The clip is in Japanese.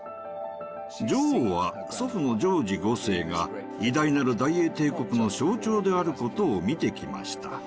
女王は祖父のジョージ５世が偉大なる大英帝国の象徴であることを見てきました。